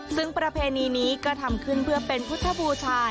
ซึ่งประเพณีนี้ก็ทำขึ้นเพื่อเป็นพุทธบูชา